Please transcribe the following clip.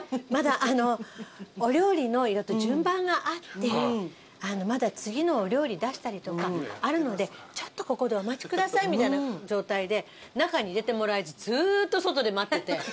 「まだお料理の順番があってまだ次のお料理出したりとかあるのでちょっとここでお待ちください」みたいな状態で中に入れてもらえずずっと外で待ってて。